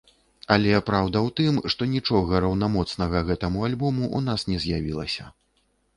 Але праўда ў тым, што нічога раўнамоцнага гэтаму альбому ў нас не з'явілася.